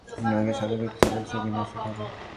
তুমি আমাদের সাথে মিথ্যে বলেছো কিনা সেটা বলো।